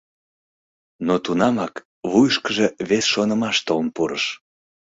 Но тунамак вуйышкыжо вес шонымаш толын пурыш.